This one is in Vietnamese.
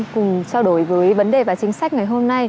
cùng trao đổi với vấn đề và chính sách ngày hôm nay